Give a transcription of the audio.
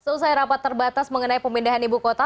selesai rapat terbatas mengenai pemindahan ibu kota